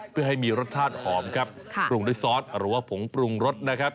เพื่อให้มีรสชาติหอมครับปรุงด้วยซอสหรือว่าผงปรุงรสนะครับ